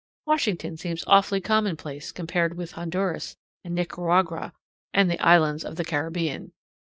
Washington seems awfully commonplace compared with Honduras and Nicaragua and the islands of the Caribbean.